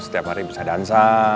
setiap hari bisa dansa